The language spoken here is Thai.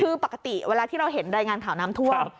คือปกติเวลาที่เราเห็นรายงานข่าวน้ำท่วม